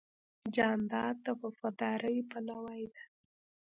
جانداد د وفادارۍ پلوی دی.